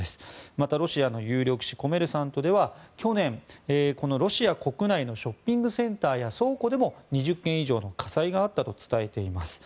また、ロシアの有力紙コメルサントでは去年、ロシア国内のショッピングセンターや倉庫でも２０件以上の火災があったと伝えています。